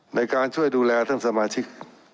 ในการช่วยดูแลท่านสมาชิก